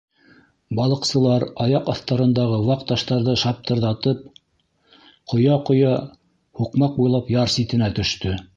Балыҡсылар аяҡ аҫтарындағы ваҡ таштарҙы шаптырҙа-тып ҡоя-ҡоя һуҡмаҡ буйлап яр ситенә төштө.